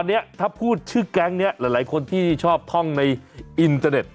อันนี้ถ้าพูดชื่อแก๊งนี้หลายคนที่ชอบท่องในอินเตอร์เน็ต